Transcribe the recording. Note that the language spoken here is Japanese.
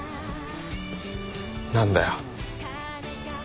何だよ。